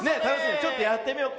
ちょっとやってみよっか。